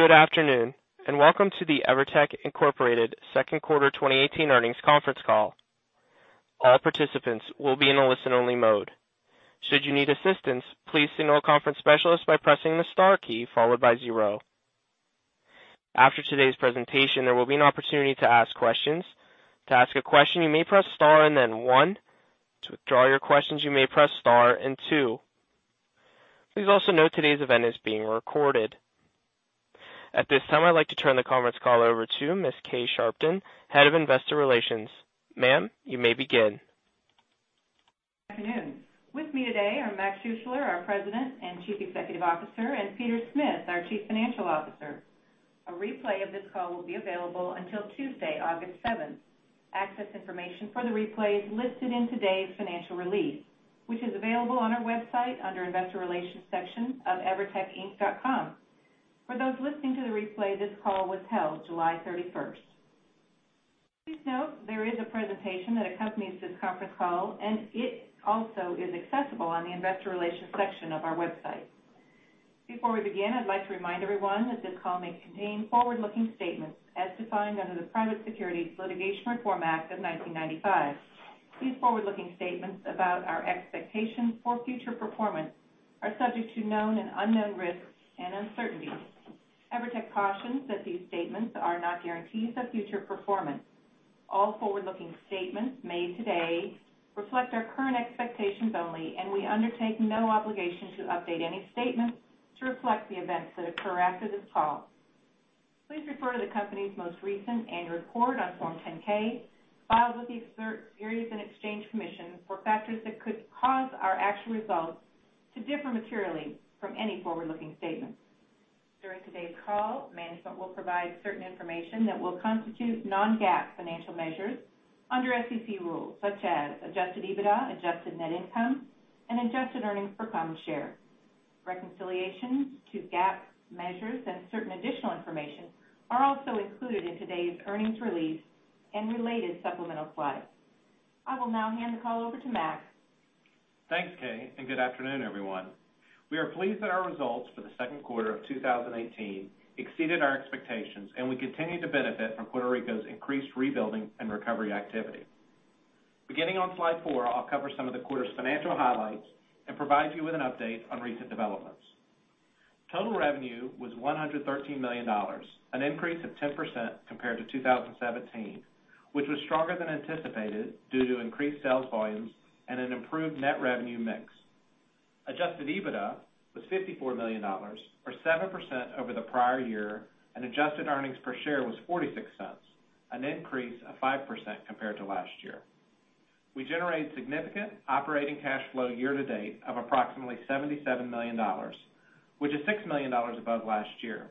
Good afternoon, welcome to the EVERTEC, Inc. Second Quarter 2018 Earnings Conference Call. All participants will be in a listen-only mode. Should you need assistance, please signal a conference specialist by pressing the star key followed by zero. After today's presentation, there will be an opportunity to ask questions. To ask a question, you may press star and then one. To withdraw your questions, you may press star and two. Please also note today's event is being recorded. At this time, I'd like to turn the conference call over to Ms. Kay Sharpton, Vice President, Investor Relations. Ma'am, you may begin. Good afternoon. With me today are Morgan Schuessler, our President and Chief Executive Officer, and Peter Smith, our Chief Financial Officer. A replay of this call will be available until Tuesday, August 7th. Access information for the replay is listed in today's financial release, which is available on our website under Investor Relations section of evertecinc.com. For those listening to the replay, this call was held July 31st. Please note there is a presentation that accompanies this conference call, it also is accessible on the Investor Relations section of our website. Before we begin, I'd like to remind everyone that this call may contain forward-looking statements as defined under the Private Securities Litigation Reform Act of 1995. These forward-looking statements about our expectations for future performance are subject to known and unknown risks and uncertainties. EVERTEC cautions that these statements are not guarantees of future performance. All forward-looking statements made today reflect our current expectations only, we undertake no obligation to update any statements to reflect the events that occur after this call. Please refer to the company's most recent annual report on Form 10-K, filed with the Securities and Exchange Commission for factors that could cause our actual results to differ materially from any forward-looking statements. During today's call, management will provide certain information that will constitute non-GAAP financial measures under SEC rules, such as adjusted EBITDA, adjusted net income, and adjusted earnings per common share. Reconciliations to GAAP measures and certain additional information are also included in today's earnings release and related supplemental slides. I will now hand the call over to Mac. Thanks, Kay, good afternoon, everyone. We are pleased that our results for the second quarter of 2018 exceeded our expectations, we continue to benefit from Puerto Rico's increased rebuilding and recovery activity. Beginning on slide four, I'll cover some of the quarter's financial highlights and provide you with an update on recent developments. Total revenue was $113 million, an increase of 10% compared to 2017, which was stronger than anticipated due to increased sales volumes and an improved net revenue mix. Adjusted EBITDA was $54 million, or 7% over the prior year, adjusted earnings per share was $0.46, an increase of 5% compared to last year. We generated significant operating cash flow year-to-date of approximately $77 million, which is $6 million above last year.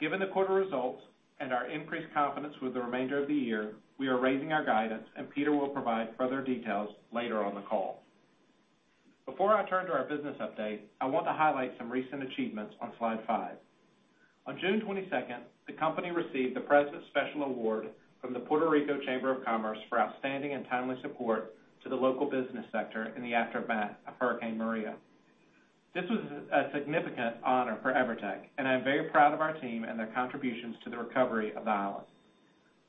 Given the quarter results and our increased confidence with the remainder of the year, we are raising our guidance, and Peter will provide further details later on the call. Before I turn to our business update, I want to highlight some recent achievements on slide five. On June 22nd, the company received the President's Special Award from the Puerto Rico Chamber of Commerce for outstanding and timely support to the local business sector in the aftermath of Hurricane Maria. This was a significant honor for EVERTEC, and I'm very proud of our team and their contributions to the recovery of the island.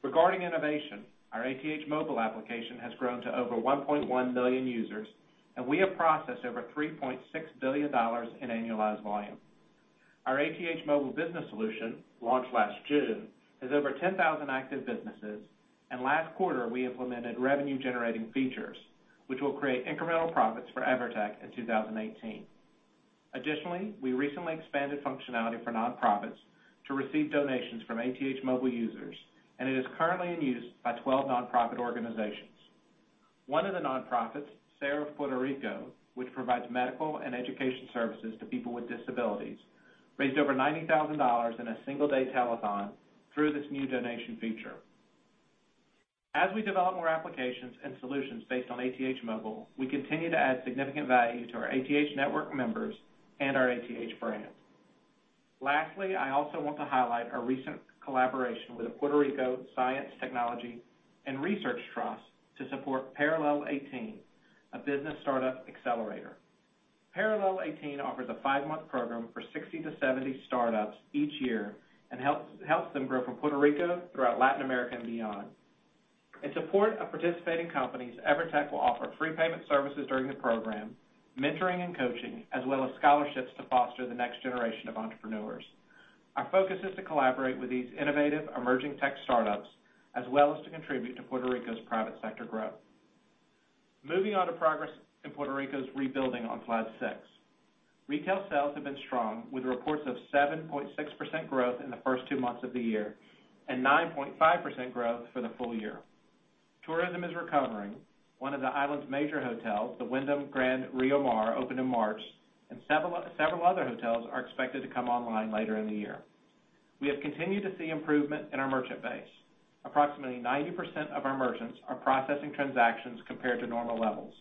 Regarding innovation, our ATH Móvil application has grown to over 1.1 million users, and we have processed over $3.6 billion in annualized volume. Our ATH Móvil Business solution, launched last June, has over 10,000 active businesses, and last quarter, we implemented revenue-generating features, which will create incremental profits for EVERTEC in 2018. Additionally, we recently expanded functionality for nonprofits to receive donations from ATH Móvil users, and it is currently in use by 12 nonprofit organizations. One of the nonprofits, SER de Puerto Rico, which provides medical and education services to people with disabilities, raised over $90,000 in a single-day telethon through this new donation feature. As we develop more applications and solutions based on ATH Móvil, we continue to add significant value to our ATH network members and our ATH brand. Lastly, I also want to highlight our recent collaboration with the Puerto Rico Science, Technology and Research Trust to support Parallel 18, a business startup accelerator. Parallel 18 offers a five-month program for 60 to 70 startups each year and helps them grow from Puerto Rico throughout Latin America and beyond. In support of participating companies, EVERTEC will offer free payment services during the program, mentoring and coaching, as well as scholarships to foster the next generation of entrepreneurs. Our focus is to collaborate with these innovative, emerging tech startups, as well as to contribute to Puerto Rico's private sector growth. Moving on to progress in Puerto Rico's rebuilding on slide six. Retail sales have been strong, with reports of 7.6% growth in the first two months of the year and 9.5% growth for the full year. Tourism is recovering. One of the island's major hotels, the Wyndham Grand Rio Mar, opened in March, and several other hotels are expected to come online later in the year. We have continued to see improvement in our merchant base. Approximately 90% of our merchants are processing transactions compared to normal levels,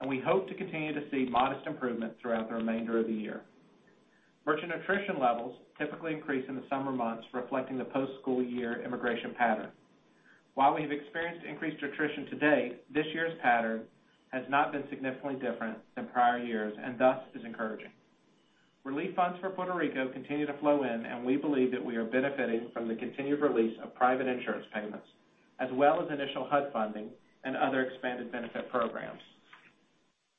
and we hope to continue to see modest improvement throughout the remainder of the year. Merchant attrition levels typically increase in the summer months, reflecting the post-school year immigration pattern. While we have experienced increased attrition to date, this year's pattern has not been significantly different than prior years and thus is encouraging. Relief funds for Puerto Rico continue to flow in, and we believe that we are benefiting from the continued release of private insurance payments, as well as initial HUD funding and other expanded benefit programs.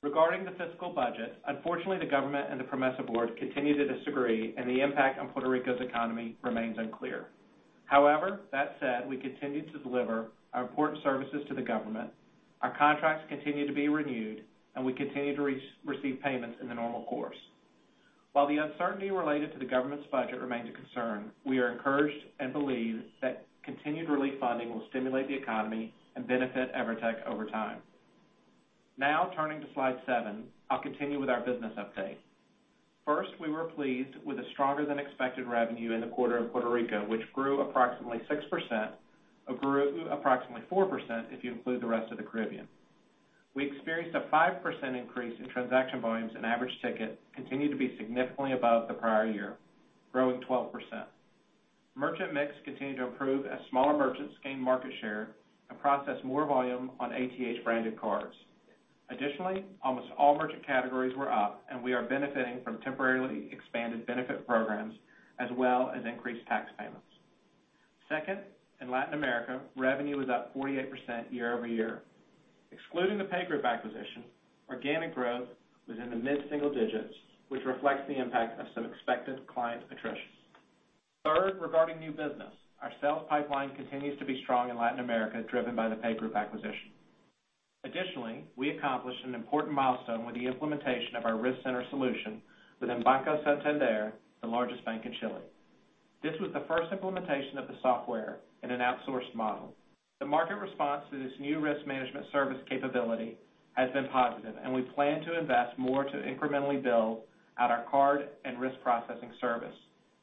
Regarding the fiscal budget, unfortunately, the government and the PROMESA board continue to disagree, and the impact on Puerto Rico's economy remains unclear. However, that said, we continue to deliver our important services to the government. Our contracts continue to be renewed, and we continue to receive payments in the normal course. While the uncertainty related to the government's budget remains a concern, we are encouraged and believe that continued relief funding will stimulate the economy and benefit EVERTEC over time. Now turning to slide seven, I'll continue with our business update. First, we were pleased with the stronger than expected revenue in the quarter in Puerto Rico, which grew approximately 6%, or grew approximately 4% if you include the rest of the Caribbean. We experienced a 5% increase in transaction volumes, and average ticket continued to be significantly above the prior year, growing 12%. Merchant mix continued to improve as smaller merchants gained market share and processed more volume on ATH-branded cards. Additionally, almost all merchant categories were up, and we are benefiting from temporarily expanded benefit programs, as well as increased tax payments. Second, in Latin America, revenue was up 48% year-over-year. Excluding the PayGroup acquisition, organic growth was in the mid-single digits, which reflects the impact of some expected client attrition. Third, regarding new business, our sales pipeline continues to be strong in Latin America, driven by the PayGroup acquisition. We accomplished an important milestone with the implementation of our Risk Center solution within Banco Santander, the largest bank in Chile. This was the first implementation of the software in an outsourced model. The market response to this new risk management service capability has been positive. We plan to invest more to incrementally build out our card and risk processing service,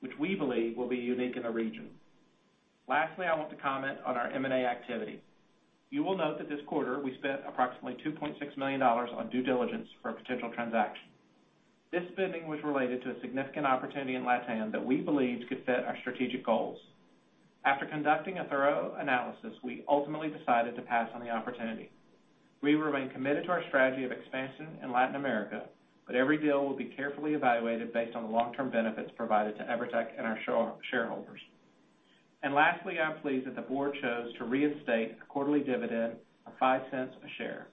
which we believe will be unique in the region. I want to comment on our M&A activity. You will note that this quarter we spent approximately $2.6 million on due diligence for a potential transaction. This spending was related to a significant opportunity in LatAm that we believed could fit our strategic goals. After conducting a thorough analysis, we ultimately decided to pass on the opportunity. We remain committed to our strategy of expansion in Latin America, but every deal will be carefully evaluated based on the long-term benefits provided to EVERTEC and our shareholders. Lastly, I'm pleased that the board chose to reinstate a quarterly dividend of $0.05 a share.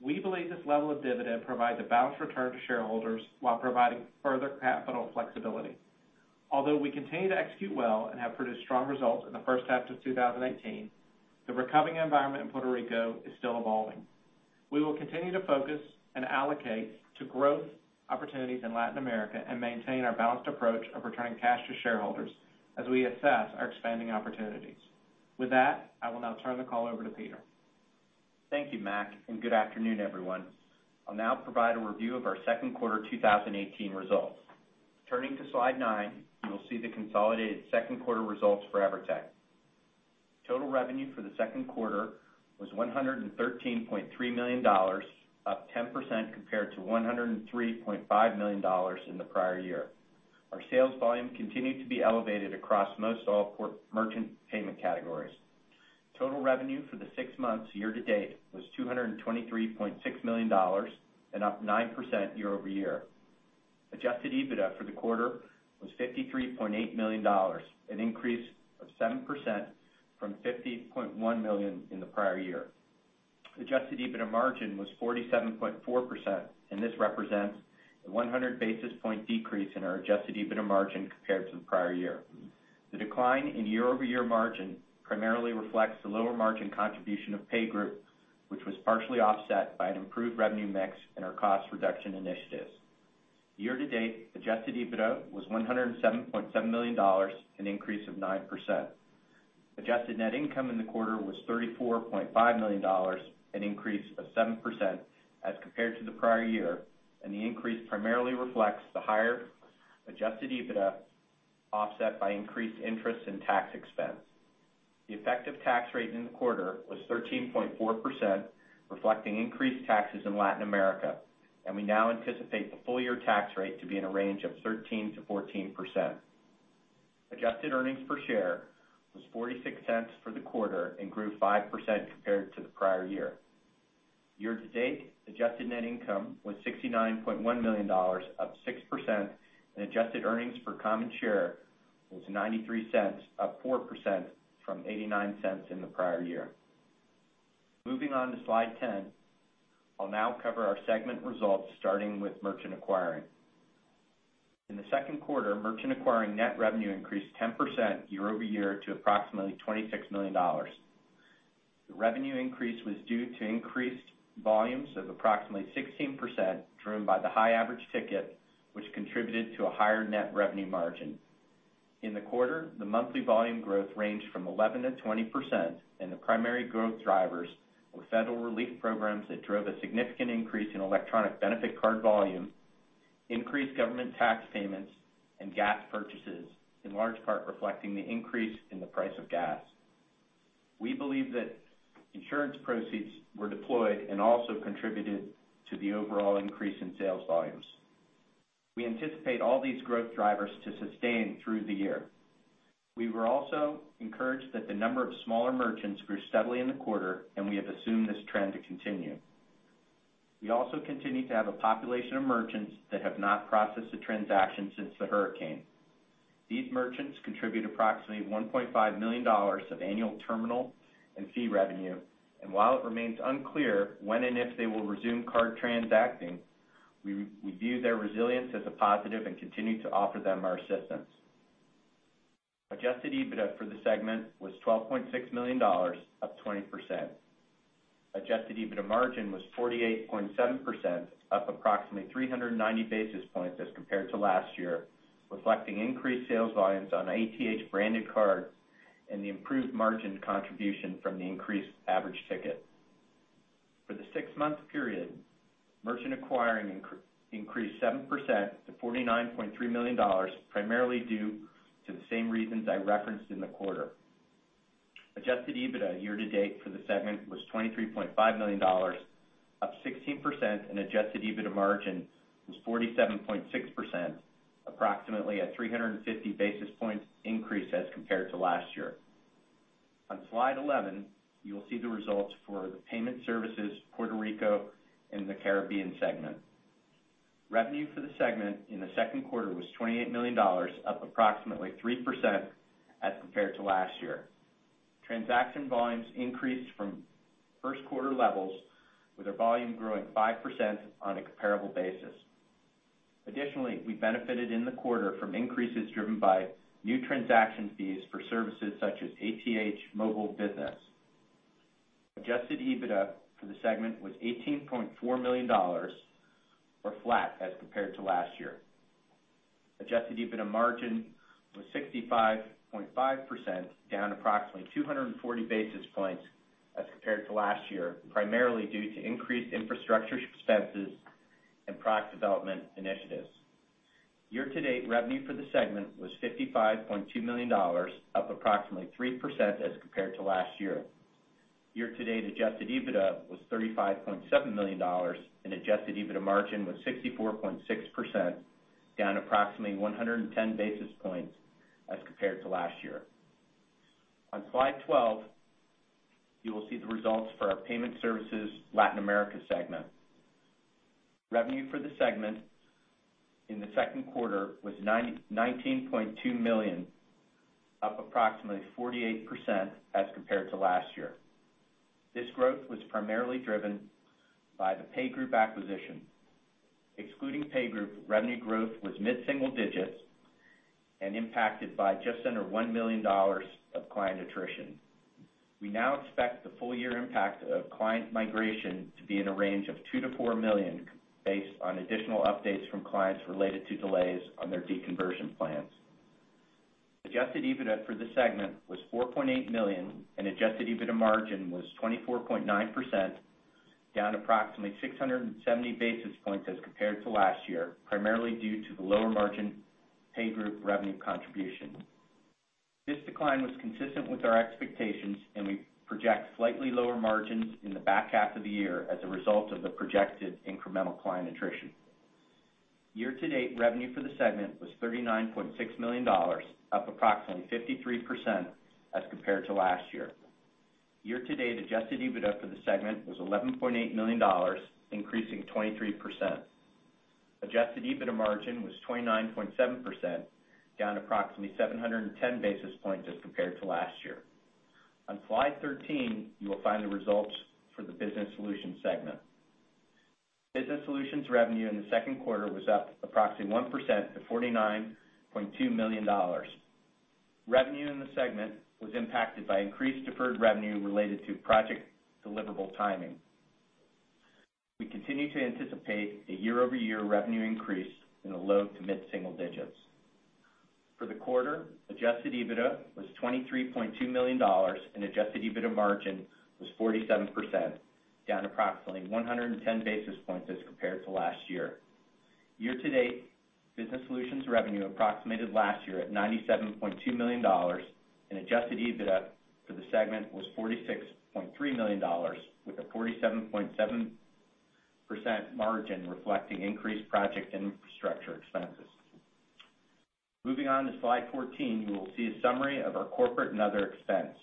We believe this level of dividend provides a balanced return to shareholders while providing further capital flexibility. Although we continue to execute well and have produced strong results in the first half of 2018, the recovering environment in Puerto Rico is still evolving. We will continue to focus and allocate to growth opportunities in Latin America and maintain our balanced approach of returning cash to shareholders as we assess our expanding opportunities. With that, I will now turn the call over to Peter. Thank you, Mac, and good afternoon, everyone. I'll now provide a review of our second quarter 2018 results. Turning to slide nine, you will see the consolidated second quarter results for EVERTEC. Total revenue for the second quarter was $113.3 million, up 10% compared to $103.5 million in the prior year. Our sales volume continued to be elevated across most all merchant payment categories. Total revenue for the six months year-to-date was $223.6 million and up 9% year-over-year. Adjusted EBITDA for the quarter was $53.8 million, an increase of 7% from $50.1 million in the prior year. Adjusted EBITDA margin was 47.4%, and this represents a 100 basis point decrease in our adjusted EBITDA margin compared to the prior year. The decline in year-over-year margin primarily reflects the lower margin contribution of PayGroup, which was partially offset by an improved revenue mix and our cost reduction initiatives. Year-to-date, adjusted EBITDA was $107.7 million, an increase of 9%. Adjusted net income in the quarter was $34.5 million, an increase of 7% as compared to the prior year. The increase primarily reflects the higher adjusted EBITDA offset by increased interest in tax expense. The effective tax rate in the quarter was 13.4%, reflecting increased taxes in Latin America. We now anticipate the full year tax rate to be in a range of 13%-14%. Adjusted earnings per share was $0.46 for the quarter and grew 5% compared to the prior year. Year-to-date, adjusted net income was $69.1 million, up 6%. Adjusted earnings per common share was $0.93, up 4% from $0.89 in the prior year. Moving on to slide 10, I'll now cover our segment results, starting with merchant acquiring. In the second quarter, merchant acquiring net revenue increased 10% year-over-year to approximately $26 million. The revenue increase was due to increased volumes of approximately 16%, driven by the high average ticket, which contributed to a higher net revenue margin. In the quarter, the monthly volume growth ranged from 11%-20%. The primary growth drivers were federal relief programs that drove a significant increase in Electronic Benefit card volume, increased government tax payments, and gas purchases, in large part reflecting the increase in the price of gas. We believe that insurance proceeds were deployed and also contributed to the overall increase in sales volumes. We anticipate all these growth drivers to sustain through the year. We were also encouraged that the number of smaller merchants grew steadily in the quarter. We have assumed this trend to continue. We also continue to have a population of merchants that have not processed a transaction since Hurricane Maria. These merchants contribute approximately $1.5 million of annual terminal and fee revenue. While it remains unclear when and if they will resume card transacting, we view their resilience as a positive and continue to offer them our assistance. Adjusted EBITDA for the segment was $12.6 million, up 20%. Adjusted EBITDA margin was 48.7%, up approximately 390 basis points as compared to last year, reflecting increased sales volumes on ATH branded cards and the improved margin contribution from the increased average ticket. For the six-month period, merchant acquiring increased 7% to $49.3 million, primarily due to the same reasons I referenced in the quarter. Adjusted EBITDA year-to-date for the segment was $23.5 million, up 16%, and adjusted EBITDA margin was 47.6%, approximately a 350 basis points increase as compared to last year. On slide 11, you will see the results for the Payment Services Puerto Rico and the Caribbean segment. Revenue for the segment in the second quarter was $28 million, up approximately 3% as compared to last year. Transaction volumes increased from first quarter levels, with our volume growing 5% on a comparable basis. Additionally, we benefited in the quarter from increases driven by new transaction fees for services such as ATH Móvil Business. Adjusted EBITDA for the segment was $18.4 million or flat as compared to last year. Adjusted EBITDA margin was 65.5%, down approximately 240 basis points as compared to last year, primarily due to increased infrastructure expenses and product development initiatives. Year-to-date revenue for the segment was $55.2 million, up approximately 3% as compared to last year. Year-to-date adjusted EBITDA was $35.7 million, and adjusted EBITDA margin was 64.6%, down approximately 110 basis points as compared to last year. On slide 12, you will see the results for our Payment Services Latin America segment. Revenue for the segment in the second quarter was $19.2 million, up approximately 48% as compared to last year. This growth was primarily driven by the PayGroup acquisition. Excluding PayGroup, revenue growth was mid-single digits and impacted by just under $1 million of client attrition. We now expect the full year impact of client migration to be in a range of $2 million-$4 million based on additional updates from clients related to delays on their deconversion plans. Adjusted EBITDA for the segment was $4.8 million and adjusted EBITDA margin was 24.9%, down approximately 670 basis points as compared to last year, primarily due to the lower margin PayGroup revenue contribution. This decline was consistent with our expectations, and we project slightly lower margins in the back half of the year as a result of the projected incremental client attrition. Year-to-date revenue for the segment was $39.6 million, up approximately 53% as compared to last year. Year-to-date adjusted EBITDA for the segment was $11.8 million, increasing 23%. Adjusted EBITDA margin was 29.7%, down approximately 710 basis points as compared to last year. On slide 13, you will find the results for the Business Solutions segment. Business Solutions revenue in the second quarter was up approximately 1% to $49.2 million. Revenue in the segment was impacted by increased deferred revenue related to project deliverable timing. We continue to anticipate a year-over-year revenue increase in the low to mid-single digits. For the quarter, adjusted EBITDA was $23.2 million, and adjusted EBITDA margin was 47%, down approximately 110 basis points as compared to last year. Year-to-date, Business Solutions revenue approximated last year at $97.2 million, and adjusted EBITDA for the segment was $46.3 million, with a 47.7% margin reflecting increased project and infrastructure expenses. Moving on to slide 14, you will see a summary of our corporate and other expense.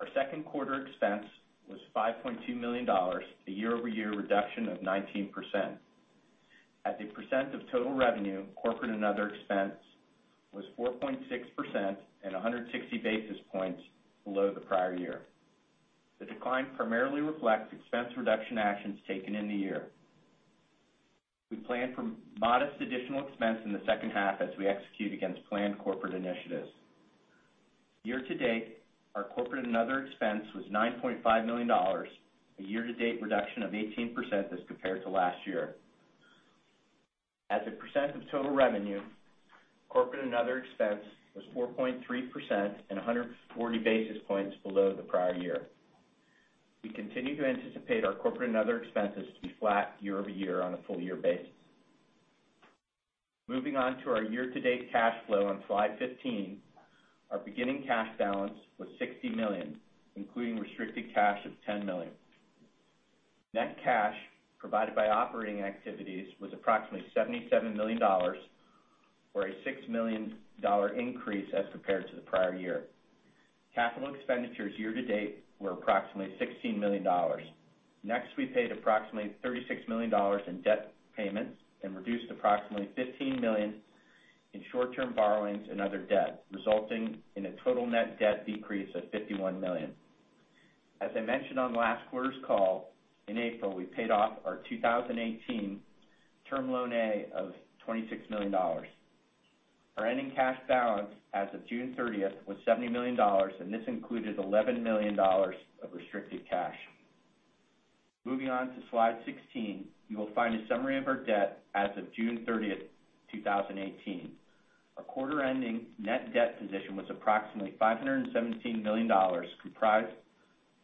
Our second quarter expense was $5.2 million, a year-over-year reduction of 19%. As a percent of total revenue, corporate and other expense was 4.6% and 160 basis points below the prior year. The decline primarily reflects expense reduction actions taken in the year. We plan for modest additional expense in the second half as we execute against planned corporate initiatives. Year-to-date, our corporate and other expense was $9.5 million, a year-to-date reduction of 18% as compared to last year. As a percent of total revenue, corporate and other expense was 4.3% and 140 basis points below the prior year. We continue to anticipate our corporate and other expenses to be flat year-over-year on a full year basis. Moving on to our year-to-date cash flow on slide 15. Our beginning cash balance was $60 million, including restricted cash of $10 million. Net cash provided by operating activities was approximately $77 million, or a $6 million increase as compared to the prior year. Capital expenditures year-to-date were approximately $16 million. We paid approximately $36 million in debt payments and reduced approximately $15 million in short-term borrowings and other debt, resulting in a total net debt decrease of $51 million. As I mentioned on last quarter's call, in April, we paid off our 2018 Term Loan A of $26 million. Our ending cash balance as of June 30th was $70 million, and this included $11 million of restricted cash. Moving on to slide 16, you will find a summary of our debt as of June 30th, 2018. Our quarter-ending net debt position was approximately $517 million, comprised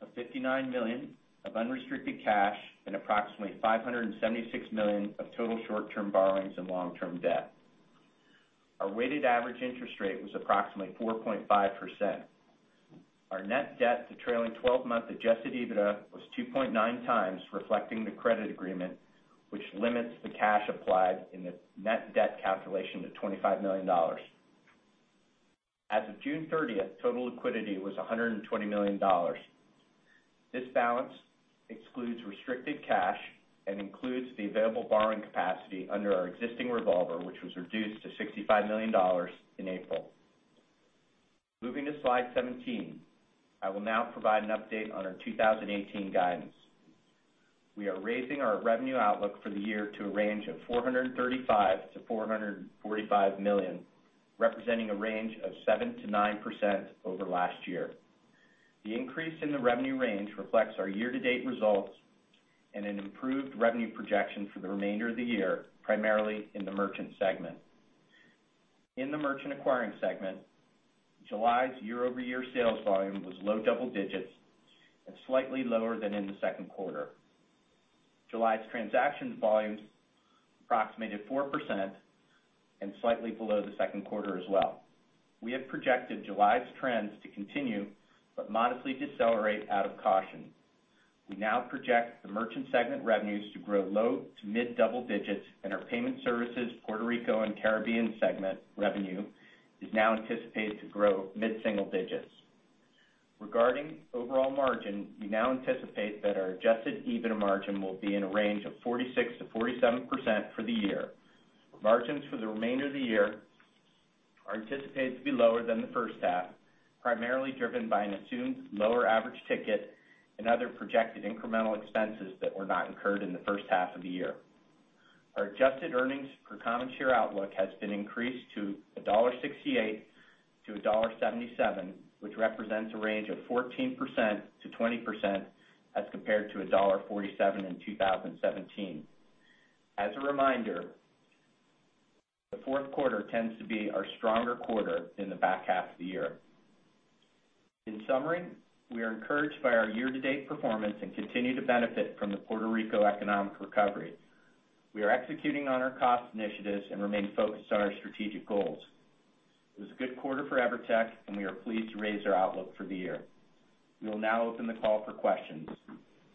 of $59 million of unrestricted cash and approximately $576 million of total short-term borrowings and long-term debt. Our weighted average interest rate was approximately 4.5%. Our net debt to trailing 12-month adjusted EBITDA was 2.9 times, reflecting the credit agreement, which limits the cash applied in the net debt calculation to $25 million. As of June 30th, total liquidity was $120 million. This balance excludes restricted cash and includes the available borrowing capacity under our existing revolver, which was reduced to $65 million in April. Moving to slide 17. I will now provide an update on our 2018 guidance. We are raising our revenue outlook for the year to a range of $435 million-$445 million, representing a range of 7%-9% over last year. The increase in the revenue range reflects our year-to-date results and an improved revenue projection for the remainder of the year, primarily in the merchant segment. In the merchant acquiring segment, July's year-over-year sales volume was low double digits and slightly lower than in the second quarter. July's transactions volumes approximated 4% and slightly below the second quarter as well. We have projected July's trends to continue but modestly decelerate out of caution. We now project the merchant segment revenues to grow low to mid double digits and our payment services Puerto Rico and Caribbean segment revenue is now anticipated to grow mid-single digits. Regarding overall margin, we now anticipate that our adjusted EBITDA margin will be in a range of 46%-47% for the year. Margins for the remainder of the year are anticipated to be lower than the first half, primarily driven by an assumed lower average ticket and other projected incremental expenses that were not incurred in the first half of the year. Our adjusted earnings per common share outlook has been increased to $1.68-$1.77, which represents a range of 14%-20% as compared to $1.47 in 2017. As a reminder, the fourth quarter tends to be our stronger quarter in the back half of the year. In summary, we are encouraged by our year-to-date performance and continue to benefit from the Puerto Rico economic recovery. We are executing on our cost initiatives and remain focused on our strategic goals. It was a good quarter for EVERTEC, and we are pleased to raise our outlook for the year. We will now open the call for questions.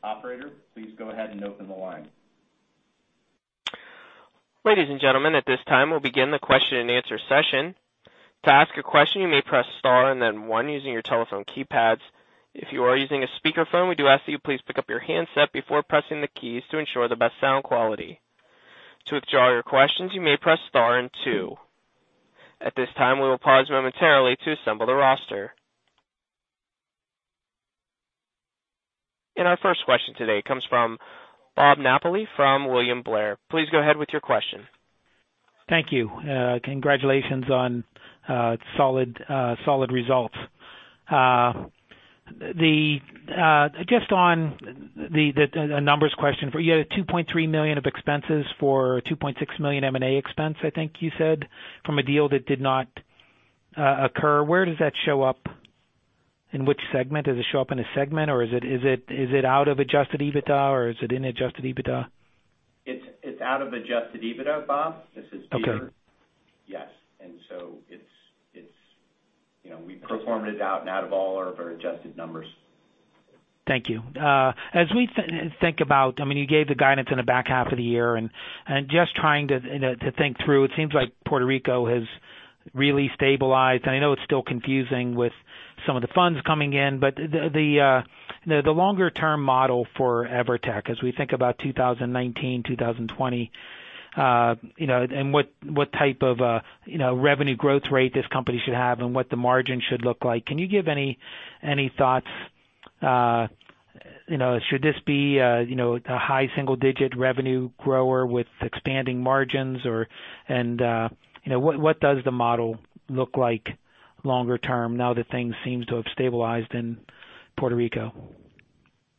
Operator, please go ahead and open the line. Ladies and gentlemen, at this time, we'll begin the question and answer session. To ask a question, you may press star and then one using your telephone keypads. If you are using a speakerphone, we do ask that you please pick up your handset before pressing the keys to ensure the best sound quality. To withdraw your questions, you may press star and two. At this time, we will pause momentarily to assemble the roster. Our first question today comes from Robert Napoli from William Blair. Please go ahead with your question. Thank you. Congratulations on solid results. Just on the numbers question. You had a $2.3 million of expenses for $2.6 million M&A expense, I think you said, from a deal that did not occur. Where does that show up? In which segment? Does it show up in a segment, or is it out of adjusted EBITDA, or is it in adjusted EBITDA? It's out of adjusted EBITDA, Bob. This is Peter. Okay. Yes. We performed it out and out of all of our adjusted numbers. Thank you. As we think about, you gave the guidance in the back half of the year and just trying to think through. It seems like Puerto Rico has really stabilized. I know it's still confusing with some of the funds coming in. The longer-term model for EVERTEC as we think about 2019, 2020, and what type of revenue growth rate this company should have and what the margin should look like. Can you give any thoughts? Should this be a high single-digit revenue grower with expanding margins or what does the model look like longer term now that things seem to have stabilized in Puerto Rico?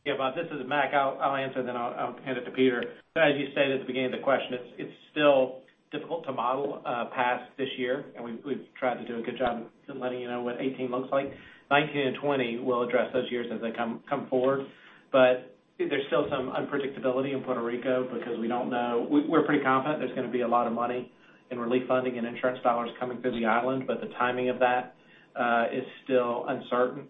Yeah, Bob, this is Mac. I'll answer then I'll hand it to Peter. As you stated at the beginning of the question, it's still difficult to model past this year, and we've tried to do a good job in letting you know what 2018 looks like. 2019 and 2020, we'll address those years as they come forward. There's still some Stability in Puerto Rico because we don't know. We're pretty confident there's going to be a lot of money in relief funding and insurance dollars coming through the island, but the timing of that is still uncertain.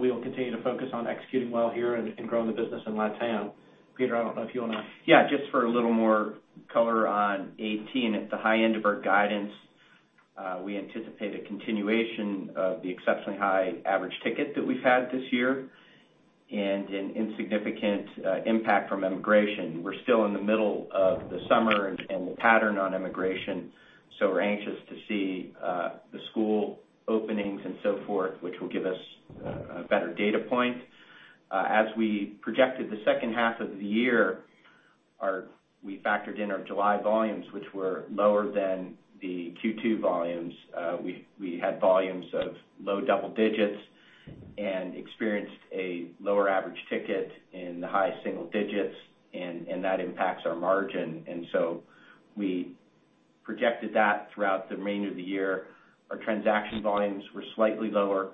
We will continue to focus on executing well here and growing the business in LatAm. Peter, I don't know if you want to- Yeah, just for a little more color on 2018, at the high end of our guidance, we anticipate a continuation of the exceptionally high average ticket that we've had this year and an insignificant impact from immigration. We're still in the middle of the summer and the pattern on immigration, so we're anxious to see the school openings and so forth, which will give us a better data point. As we projected the second half of the year, we factored in our July volumes, which were lower than the Q2 volumes. We had volumes of low double digits and experienced a lower average ticket in the high single digits, and that impacts our margin. So we projected that throughout the remainder of the year. Our transaction volumes were slightly lower,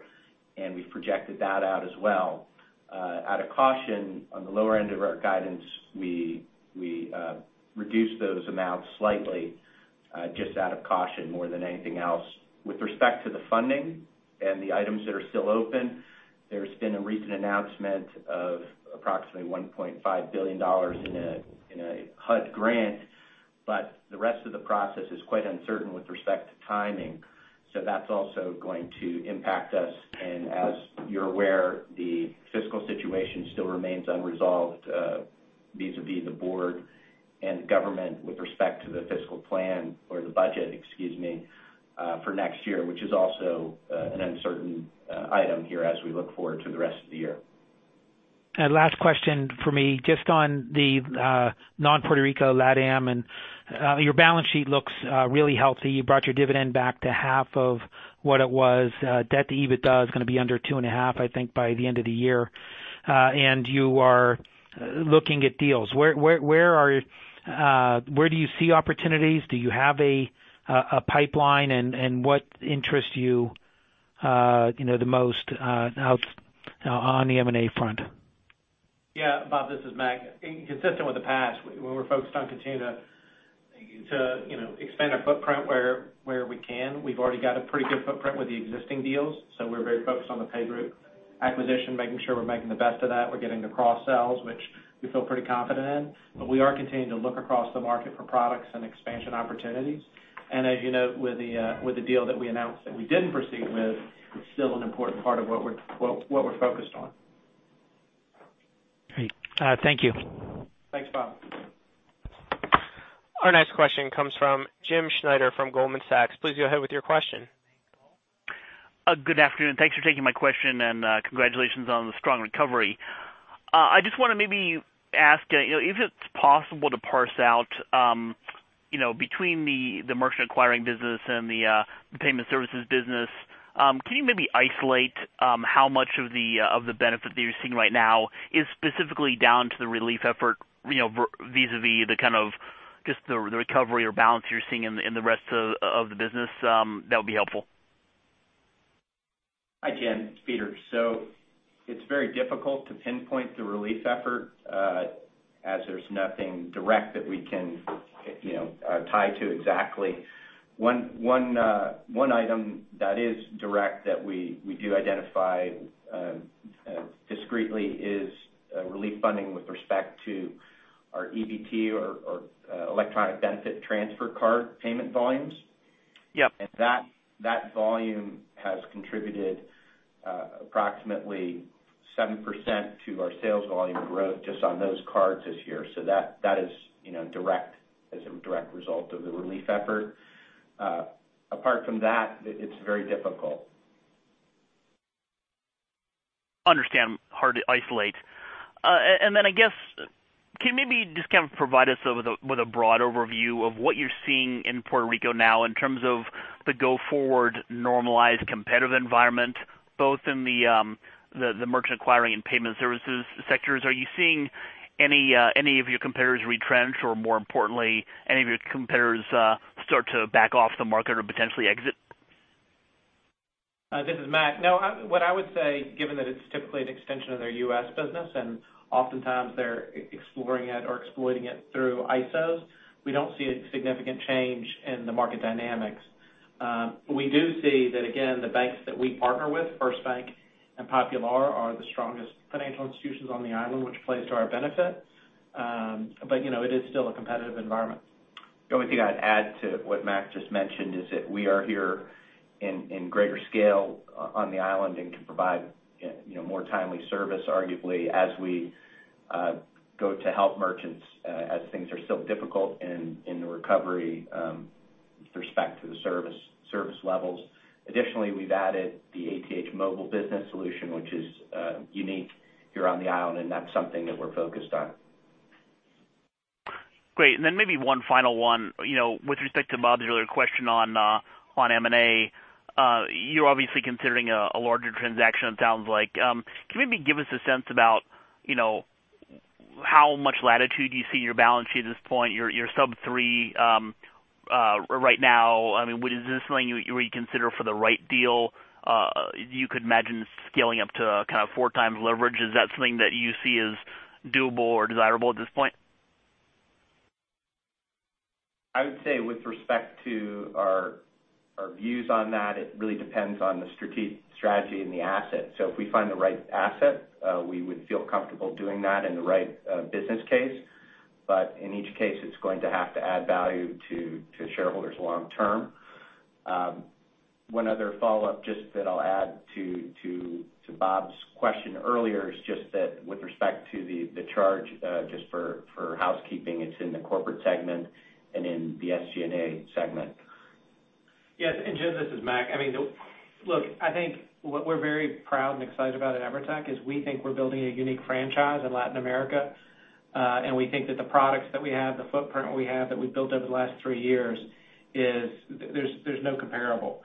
we've projected that out as well. Out of caution on the lower end of our guidance, we reduced those amounts slightly just out of caution more than anything else. With respect to the funding and the items that are still open, there's been a recent announcement of approximately $1.5 billion in a HUD grant, but the rest of the process is quite uncertain with respect to timing. That's also going to impact us. As you're aware, the fiscal situation still remains unresolved vis-à-vis the board and government with respect to the fiscal plan or the budget, excuse me, for next year, which is also an uncertain item here as we look forward to the rest of the year. Last question for me, just on the non-Puerto Rico LatAm, your balance sheet looks really healthy. You brought your dividend back to half of what it was. Debt to EBITDA is going to be under 2.5, I think, by the end of the year. You are looking at deals. Where do you see opportunities? Do you have a pipeline and what interests you the most out on the M&A front? Yeah. Bob, this is Mac. Consistent with the past, we're focused on continuing to expand our footprint where we can. We've already got a pretty good footprint with the existing deals, we're very focused on the PayGroup acquisition, making sure we're making the best of that. We're getting the cross-sells, which we feel pretty confident in. We are continuing to look across the market for products and expansion opportunities. As you know, with the deal that we announced that we didn't proceed with, it's still an important part of what we're focused on. Great. Thank you. Thanks, Bob. Our next question comes from James Schneider from Goldman Sachs. Please go ahead with your question. Good afternoon. Thanks for taking my question and congratulations on the strong recovery. I just want to maybe ask if it's possible to parse out between the merchant acquiring business and the payment services business. Can you maybe isolate how much of the benefit that you're seeing right now is specifically down to the relief effort vis-à-vis the kind of just the recovery or balance you're seeing in the rest of the business? That would be helpful. Hi, Jim. It's Peter. It's very difficult to pinpoint the relief effort as there's nothing direct that we can tie to exactly. One item that is direct that we do identify discreetly is relief funding with respect to our EBT or Electronic Benefit Transfer card payment volumes. Yeah. That volume has contributed approximately 7% to our sales volume growth just on those cards this year. That is a direct result of the relief effort. Apart from that, it's very difficult. Understand. Hard to isolate. I guess, can you maybe just kind of provide us with a broad overview of what you're seeing in Puerto Rico now in terms of the go-forward normalized competitive environment, both in the merchant acquiring and payment services sectors? Are you seeing any of your competitors retrench, or more importantly, any of your competitors start to back off the market or potentially exit? This is Mac. What I would say, given that it's typically an extension of their U.S. business and oftentimes they're exploring it or exploiting it through ISOs, we don't see a significant change in the market dynamics. We do see that, again, the banks that we partner with, FirstBank and Popular, are the strongest financial institutions on the island, which plays to our benefit. It is still a competitive environment. The only thing I'd add to what Mac just mentioned is that we are here in greater scale on the island and can provide more timely service, arguably, as we go to help merchants as things are still difficult in the recovery with respect to the service levels. Additionally, we've added the ATH Móvil Business solution, which is unique here on the island, and that's something that we're focused on. Great. Maybe one final one. With respect to Bob's earlier question on M&A, you're obviously considering a larger transaction, it sounds like. Can you maybe give us a sense about how much latitude you see your balance sheet at this point, your sub 3 right now, is this something you would consider for the right deal? You could imagine scaling up to 4 times leverage. Is that something that you see as doable or desirable at this point? I would say with respect to our views on that, it really depends on the strategy and the asset. If we find the right asset, we would feel comfortable doing that in the right business case. In each case, it's going to have to add value to shareholders long term. One other follow-up just that I'll add to Bob's question earlier is just that with respect to the charge, just for housekeeping, it's in the corporate segment and in the SG&A segment. Yes, Jim, this is Mac. Look, I think what we're very proud and excited about at EVERTEC is we think we're building a unique franchise in Latin America. We think that the products that we have, the footprint we have that we've built over the last three years, there's no comparable.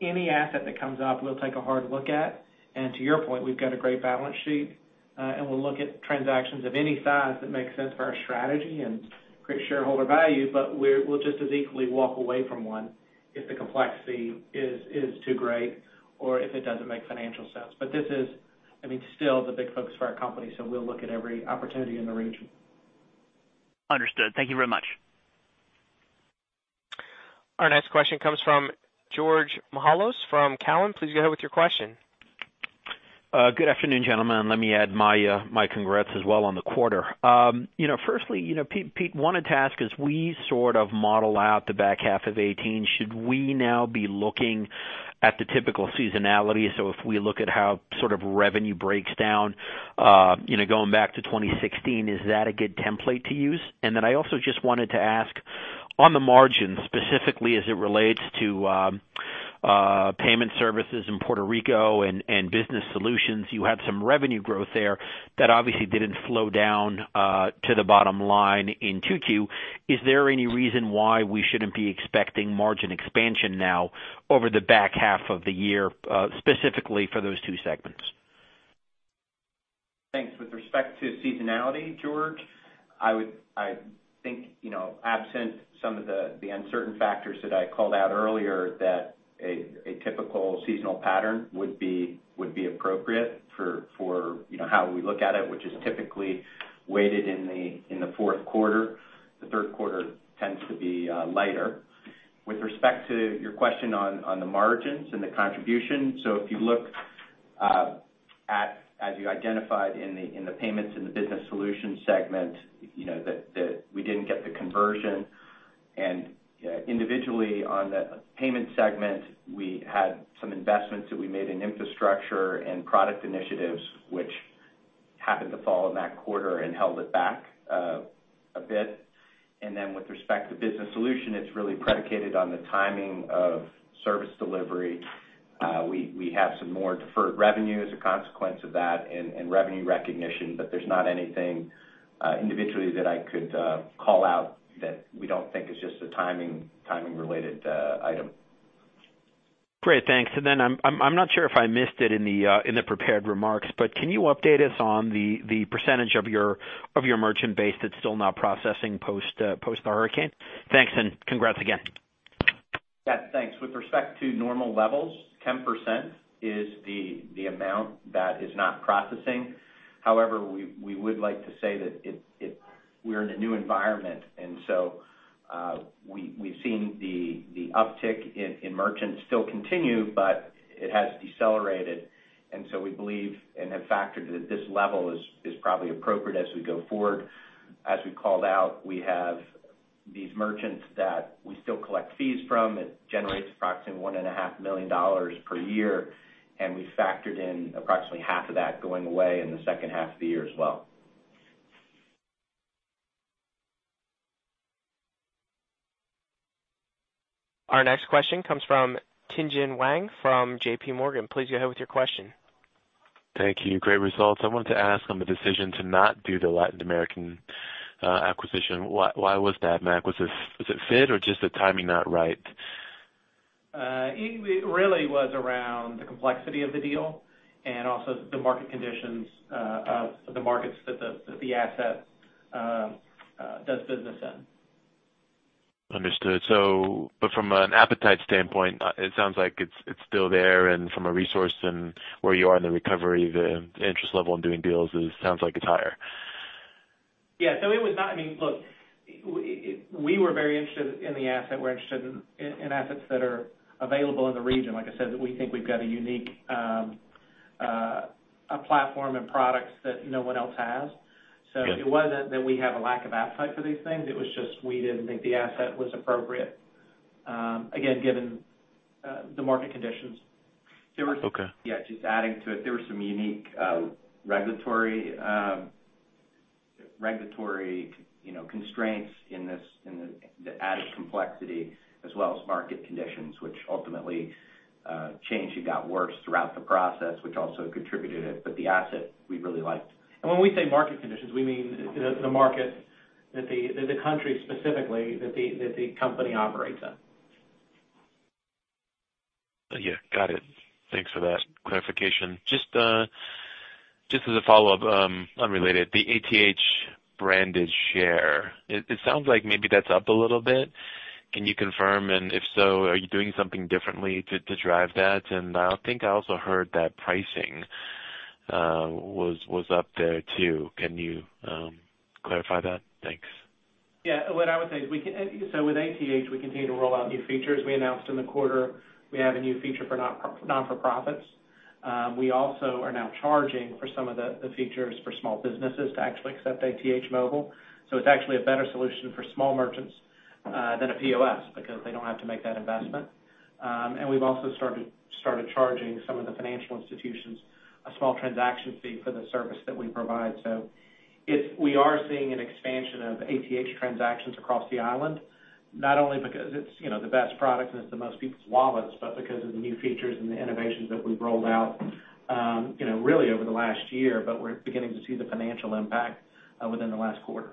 Any asset that comes up, we'll take a hard look at. To your point, we've got a great balance sheet, and we'll look at transactions of any size that makes sense for our strategy and create shareholder value. We'll just as equally walk away from one if the complexity is too great or if it doesn't make financial sense. This is still the big focus for our company, so we'll look at every opportunity in the region. Understood. Thank you very much. Our next question comes from Georgios Mihalos from Cowen. Please go ahead with your question. Good afternoon, gentlemen. Let me add my congrats as well on the quarter. Firstly, Pete, wanted to ask, as we sort of model out the back half of 2018, should we now be looking at the typical seasonality? If we look at how sort of revenue breaks down going back to 2016, is that a good template to use? I also just wanted to ask on the margin, specifically as it relates to payment services in Puerto Rico and business solutions. You had some revenue growth there that obviously didn't flow down to the bottom line in Q2. Is there any reason why we shouldn't be expecting margin expansion now over the back half of the year, specifically for those two segments? Thanks. With respect to seasonality, George, I think absent some of the uncertain factors that I called out earlier, that a typical seasonal pattern would be appropriate for how we look at it, which is typically weighted in the fourth quarter. The third quarter tends to be lighter. With respect to your question on the margins and the contribution. If you look at, as you identified in the payments and the business solutions segment, that we didn't get the conversion. Individually on the payment segment, we had some investments that we made in infrastructure and product initiatives, which happened to fall in that quarter and held it back a bit. With respect to business solution, it's really predicated on the timing of service delivery. We have some more deferred revenue as a consequence of that and revenue recognition, but there's not anything individually that I could call out that we don't think is just a timing-related item. Great. Thanks. I'm not sure if I missed it in the prepared remarks, but can you update us on the percentage of your merchant base that's still not processing post the hurricane? Thanks, and congrats again. Yeah, thanks. With respect to normal levels, 10% is the amount that is not processing. However, we would like to say that we're in a new environment, we've seen the uptick in merchants still continue, but it has decelerated. We believe and have factored that this level is probably appropriate as we go forward. As we called out, we have these merchants that we still collect fees from. It generates approximately $1.5 million per year, and we factored in approximately half of that going away in the second half of the year as well. Our next question comes from Tien-tsin Huang from JPMorgan. Please go ahead with your question. Thank you. Great results. I wanted to ask on the decision to not do the Latin American acquisition, why was that, Mac? Was it fit or just the timing not right? It really was around the complexity of the deal and also the market conditions of the markets that the asset does business in. Understood. From an appetite standpoint, it sounds like it's still there, and from a resource and where you are in the recovery, the interest level in doing deals, it sounds like it's higher. Yeah. Look, we were very interested in the asset. We're interested in assets that are available in the region. Like I said, we think we've got a unique platform and products that no one else has. Yeah. It wasn't that we have a lack of appetite for these things. It was just we didn't think the asset was appropriate, again, given the market conditions. Okay. Just adding to it. There were some unique regulatory constraints in this that added complexity as well as market conditions which ultimately changed and got worse throughout the process, which also contributed to it. The asset we really liked. When we say market conditions, we mean the market that the country specifically that the company operates in. Got it. Thanks for that clarification. Just as a follow-up, unrelated, the ATH branded share, it sounds like maybe that's up a little bit. Can you confirm? If so, are you doing something differently to drive that? I think I also heard that pricing was up there too. Can you clarify that? Thanks. What I would say is, with ATH, we continue to roll out new features. We announced in the quarter we have a new feature for not-for-profits. We also are now charging for some of the features for small businesses to actually accept ATH Móvil. It's actually a better solution for small merchants than a POS because they don't have to make that investment. We've also started charging some of the financial institutions a small transaction fee for the service that we provide. We are seeing an expansion of ATH transactions across the island, not only because it's the best product that's in most people's wallets, but because of the new features and the innovations that we've rolled out really over the last year, but we're beginning to see the financial impact within the last quarter.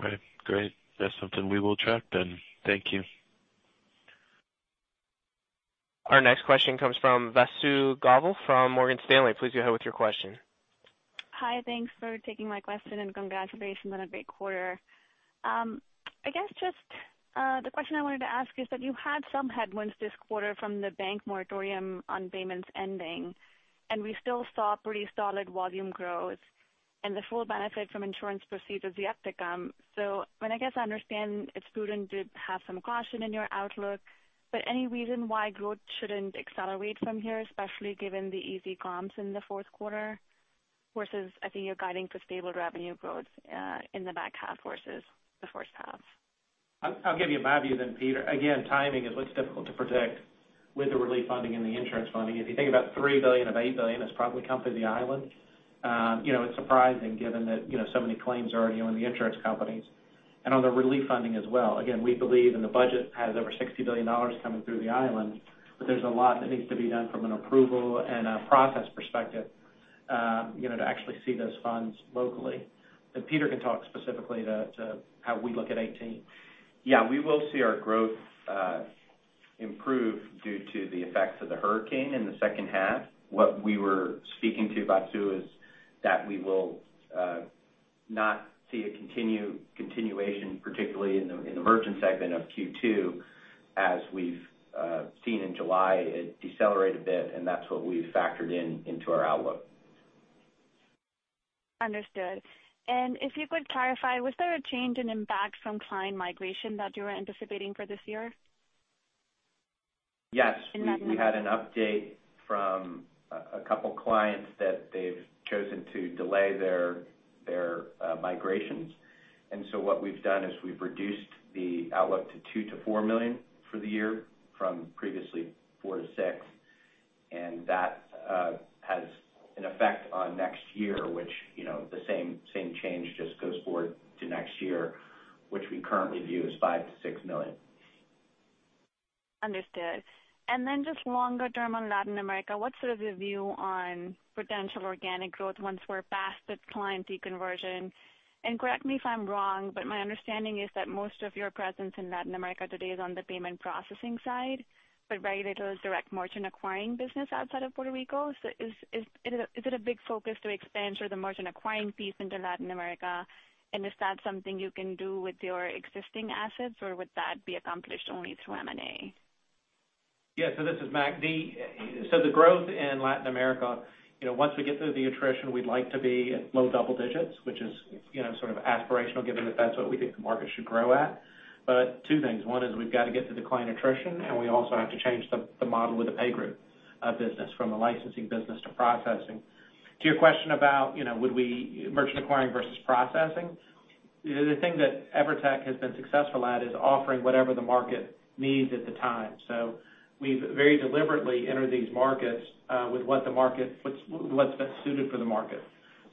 Right. Great. That's something we will track then. Thank you. Our next question comes from Vasundhara Govil from Morgan Stanley. Please go ahead with your question. Hi, thanks for taking my question and congratulations on a great quarter. The question I wanted to ask is that you had some headwinds this quarter from the bank moratorium on payments ending, and we still saw pretty solid volume growth and the full benefit from insurance proceeds is yet to come. I understand it's prudent to have some caution in your outlook, but any reason why growth shouldn't accelerate from here, especially given the easy comps in the fourth quarter, versus I think you're guiding for stable revenue growth in the back half versus the first half? I'll give you my view, Peter. Again, timing is what's difficult to predict with the relief funding and the insurance funding. If you think about $3 billion of $8 billion has probably come through the island. It's surprising given that so many claims are already on the insurance companies and on the relief funding as well. Again, we believe, and the budget has over $60 billion coming through the island, but there's a lot that needs to be done from an approval and a process perspective to actually see those funds locally. Peter can talk specifically to how we look at 2018. We will see our growth improve due to the effects of the hurricane in the second half. What we were speaking to, Vasu, is that we will not see a continuation, particularly in the merchant segment of Q2 as we've seen in July it decelerate a bit, and that's what we've factored into our outlook. Understood. If you could clarify, was there a change in impact from client migration that you were anticipating for this year? Yes. We had an update from a couple of clients that they've chosen to delay their migrations. What we've done is we've reduced the outlook to $2 million-$4 million for the year from previously $4 million-$6 million. That has an effect on next year, which the same change just goes forward to next year, which we currently view as $5 million-$6 million. Understood. Just longer term on Latin America, what's the view on potential organic growth once we're past the client deconversion? Correct me if I'm wrong, but my understanding is that most of your presence in Latin America today is on the payment processing side, but very little is direct merchant acquiring business outside of Puerto Rico. Is it a big focus to expand the merchant acquiring piece into Latin America? Is that something you can do with your existing assets, or would that be accomplished only through M&A? Yeah. This is Mac. The growth in Latin America, once we get through the attrition, we'd like to be at low double digits, which is sort of aspirational given that that's what we think the market should grow at. Two things. One is we've got to get through the client attrition, and we also have to change the model with the PayGroup business from a licensing business to processing. To your question about merchant acquiring versus processing, the thing that EVERTEC has been successful at is offering whatever the market needs at the time. We've very deliberately entered these markets with what's best suited for the market.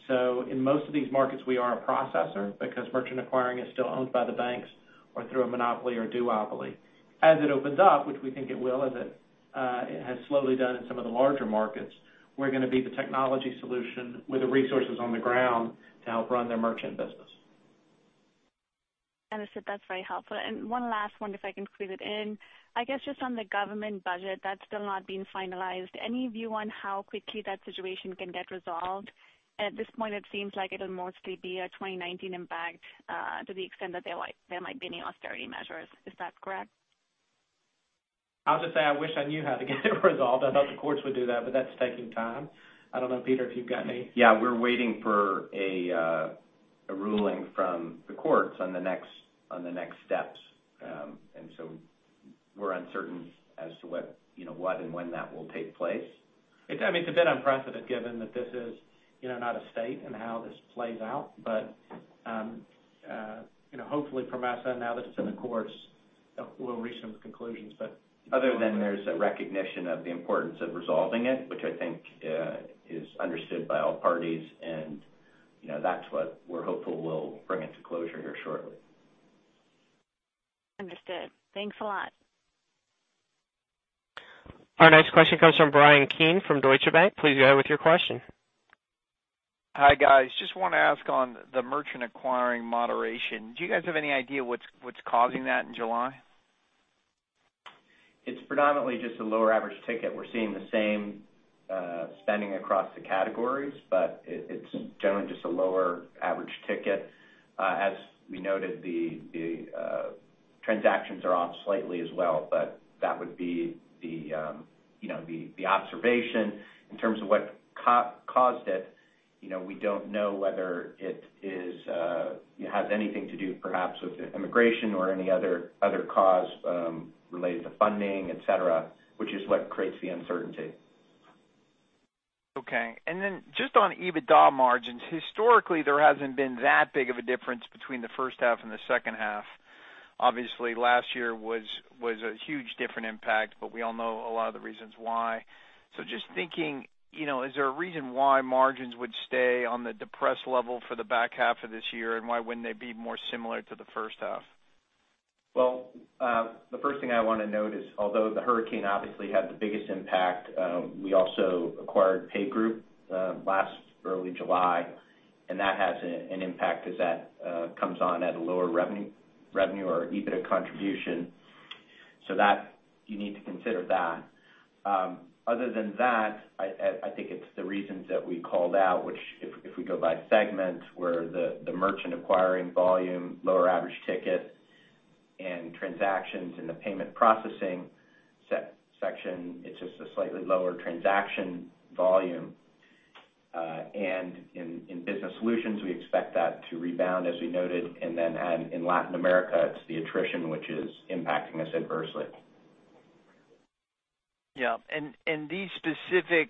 In most of these markets, we are a processor because merchant acquiring is still owned by the banks or through a monopoly or duopoly. As it opens up, which we think it will, as it has slowly done in some of the larger markets, we're going to be the technology solution with the resources on the ground to help run their merchant business. Understood. That's very helpful. One last one, if I can squeeze it in. I guess just on the government budget that's still not been finalized. Any view on how quickly that situation can get resolved? At this point, it seems like it'll mostly be a 2019 impact to the extent that there might be any austerity measures. Is that correct? I'll just say I wish I knew how to get it resolved. I thought the courts would do that, but that's taking time. I don't know, Peter, if you've got any- Yeah, we're waiting for a ruling from the courts on the next steps. We're uncertain as to what and when that will take place. It's a bit unprecedented given that this is not a state and how this plays out. Hopefully from our side now that it's in the courts, we'll reach some conclusions, but- Other than there's a recognition of the importance of resolving it, which I think is understood by all parties, and that's what we're hopeful will bring it to closure here shortly. Understood. Thanks a lot. Our next question comes from Bryan Keane from Deutsche Bank. Please go ahead with your question. Hi, guys. Just want to ask on the merchant acquiring moderation. Do you guys have any idea what's causing that in July? It's predominantly just a lower average ticket. We're seeing the same spending across the categories, but it's generally just a lower average ticket. As we noted, the transactions are off slightly as well, but that would be the observation. In terms of what caused it, we don't know whether it has anything to do perhaps with immigration or any other cause related to funding, et cetera, which is what creates the uncertainty. Okay. Just on EBITDA margins. Historically, there hasn't been that big of a difference between the first half and the second half. Obviously, last year was a huge different impact, but we all know a lot of the reasons why. Just thinking, is there a reason why margins would stay on the depressed level for the back half of this year? Why wouldn't they be more similar to the first half? Well, the first thing I want to note is, although the hurricane obviously had the biggest impact, we also acquired PayGroup last early July, and that has an impact because that comes on at a lower revenue or EBITDA contribution. You need to consider that. Other than that, I think it's the reasons that we called out, which if we go by segment, where the merchant acquiring volume, lower average ticket and transactions in the payment processing section, it's just a slightly lower transaction volume. In business solutions, we expect that to rebound as we noted. In Latin America, it's the attrition which is impacting us adversely. Yeah. These specific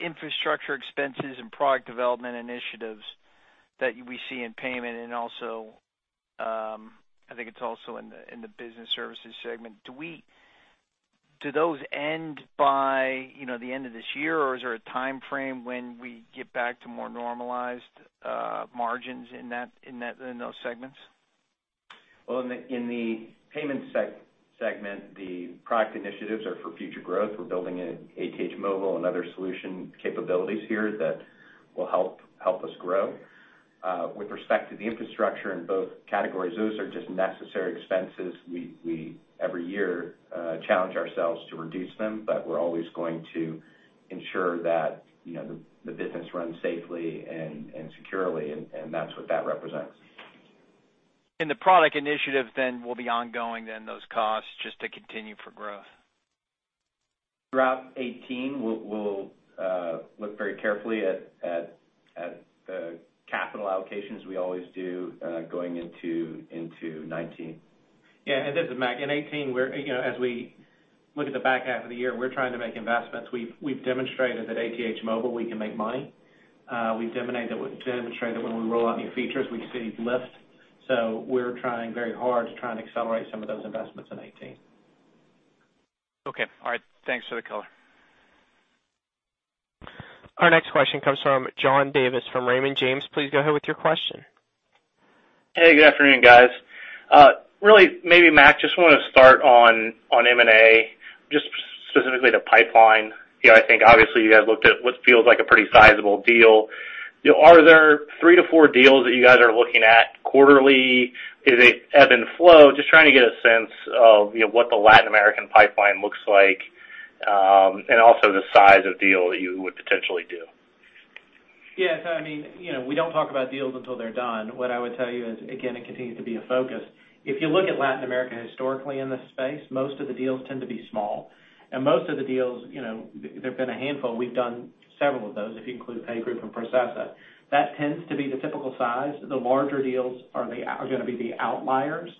infrastructure expenses and product development initiatives that we see in payment and also, I think it's also in the business services segment. Do those end by the end of this year, or is there a timeframe when we get back to more normalized margins in those segments? Well, in the payment segment, the product initiatives are for future growth. We're building ATH Móvil and other solution capabilities here that will help us grow. With respect to the infrastructure in both categories, those are just necessary expenses. We every year challenge ourselves to reduce them, but we're always going to ensure that the business runs safely and securely, and that's what that represents. The product initiative will be ongoing, those costs just to continue for growth. Throughout 2018, we'll look very carefully at capital allocations. We always do going into 2019. This is Mac. In 2018, as we look at the back half of the year, we're trying to make investments. We've demonstrated at ATH Móvil we can make money. We've demonstrated when we roll out new features, we see lift. We're trying very hard to try and accelerate some of those investments in 2018. Okay. All right. Thanks for the color. Our next question comes from John Davis from Raymond James. Please go ahead with your question. Hey, good afternoon, guys. Really, maybe Mac, just want to start on M&A, just specifically the pipeline. I think obviously you guys looked at what feels like a pretty sizable deal. Are there three to four deals that you guys are looking at quarterly? Is it ebb and flow? Just trying to get a sense of what the Latin American pipeline looks like and also the size of deal that you would potentially do. Yeah. We don't talk about deals until they're done. What I would tell you is, again, it continues to be a focus. If you look at Latin America historically in this space, most of the deals tend to be small. Most of the deals, there've been a handful. We've done several of those, if you include PayGroup and Processa. That tends to be the typical size. The larger deals are going to be the outliers.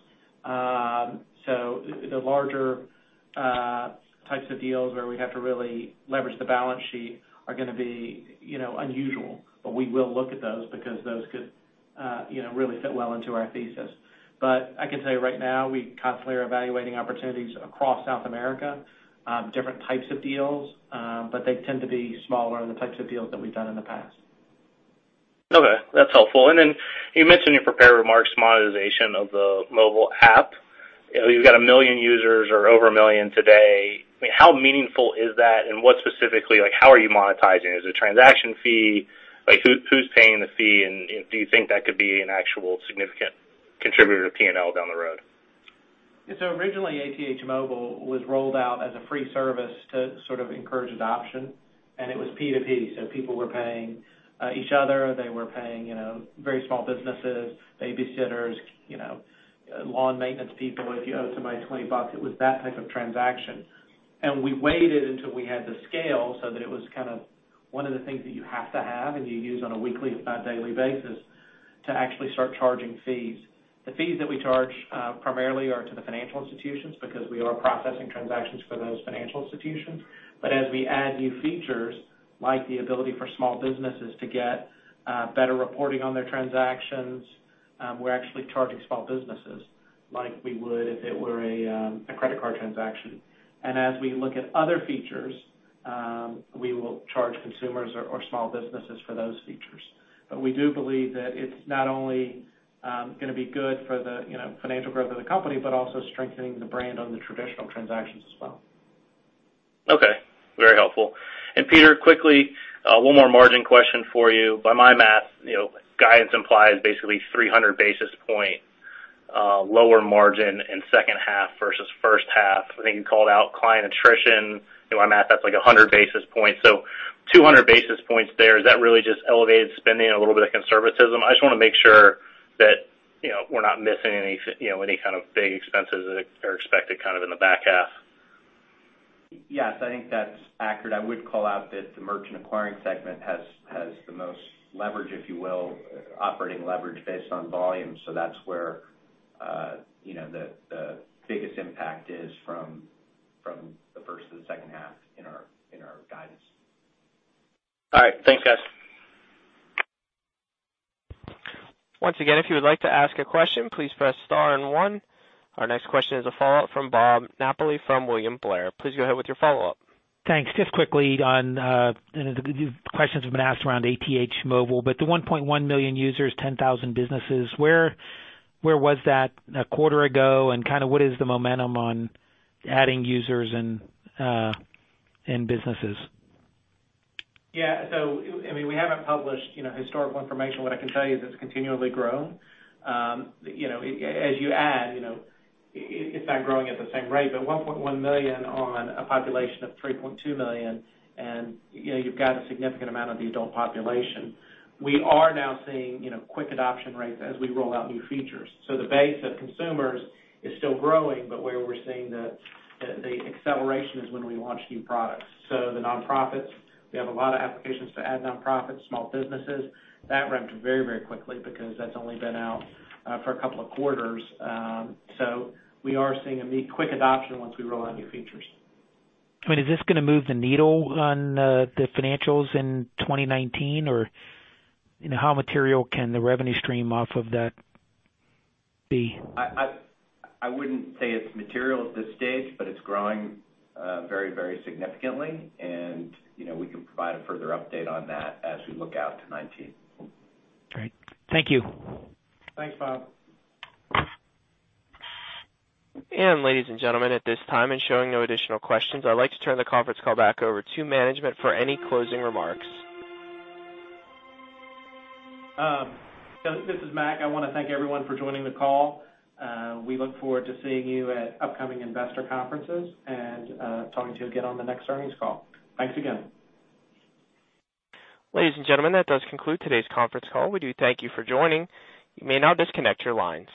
The larger types of deals where we have to really leverage the balance sheet are going to be unusual, but we will look at those because those could really fit well into our thesis. I can tell you right now, we constantly are evaluating opportunities across South America, different types of deals, but they tend to be smaller than the types of deals that we've done in the past. Okay, that's helpful. Then you mentioned in your prepared remarks monetization of the mobile app. You've got a million users or over a million today. How meaningful is that, and what specifically, like how are you monetizing? Is it transaction fee? Who's paying the fee, and do you think that could be an actual significant contributor to P&L down the road? Originally, ATH Móvil was rolled out as a free service to sort of encourage adoption, and it was P2P, so people were paying each other. They were paying very small businesses, babysitters, lawn maintenance people. If you owe somebody $20, it was that type of transaction. We waited until we had the scale so that it was kind of one of the things that you have to have and you use on a weekly, if not daily basis to actually start charging fees. The fees that we charge primarily are to the financial institutions because we are processing transactions for those financial institutions. As we add new features, like the ability for small businesses to get better reporting on their transactions, we're actually charging small businesses like we would if it were a credit card transaction. As we look at other features, we will charge consumers or small businesses for those features. We do believe that it's not only going to be good for the financial growth of the company, but also strengthening the brand on the traditional transactions as well. Okay. Very helpful. Peter, quickly, one more margin question for you. By my math, guidance implies basically 300 basis point lower margin in second half versus first half. I think you called out client attrition. By my math, that's like 100 basis points. 200 basis points there. Is that really just elevated spending, a little bit of conservatism? I just want to make sure that we're not missing any kind of big expenses that are expected kind of in the back half. Yes, I think that's accurate. I would call out that the merchant acquiring segment has the most leverage, if you will, operating leverage based on volume. That's where the biggest impact is from the first to the second half in our guidance. All right. Thanks, guys. Once again, if you would like to ask a question, please press star and one. Our next question is a follow-up from Robert Napoli from William Blair. Please go ahead with your follow-up. Thanks. Just quickly on, the questions have been asked around ATH Móvil, but the 1.1 million users, 10,000 businesses. Where was that a quarter ago and kind of what is the momentum on adding users and businesses? Yeah. We haven't published historical information. What I can tell you is it's continually grown. As you add, it's not growing at the same rate, but 1.1 million on a population of 3.2 million, and you've got a significant amount of the adult population. We are now seeing quick adoption rates as we roll out new features. The base of consumers is still growing, but where we're seeing the acceleration is when we launch new products. The nonprofits, we have a lot of applications to add nonprofits, small businesses. That ramped very quickly because that's only been out for a couple of quarters. We are seeing a quick adoption once we roll out new features. Is this going to move the needle on the financials in 2019? How material can the revenue stream off of that be? I wouldn't say it's material at this stage. It's growing very significantly and we can provide a further update on that as we look out to 2019. Great. Thank you. Thanks, Bob. Ladies and gentlemen, at this time and showing no additional questions, I'd like to turn the conference call back over to management for any closing remarks. This is Mac. I want to thank everyone for joining the call. We look forward to seeing you at upcoming investor conferences and talking to you again on the next earnings call. Thanks again. Ladies and gentlemen, that does conclude today's conference call. We do thank you for joining. You may now disconnect your lines.